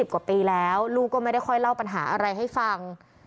กว่าปีแล้วลูกก็ไม่ได้ค่อยเล่าปัญหาอะไรให้ฟัง